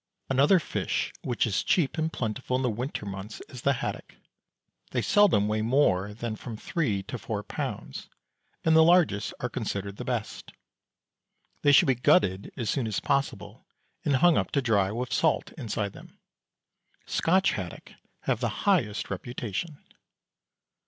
Another fish which is cheap and plentiful in the winter months is the haddock. They seldom weigh more than from three to four pounds, and the largest are considered the best. They should be gutted as soon as possible, and hung up to dry with salt inside them. Scotch haddock have the highest reputation.